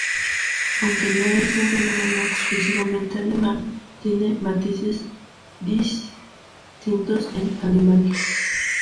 Aunque no es un fenómeno exclusivamente alemán, tiene matices distintos en Alemania.